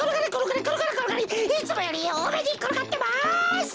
いつもよりおおめにころがってます！